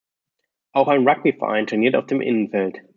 Auch ein Rugbyverein trainiert auf dem Innenfeld.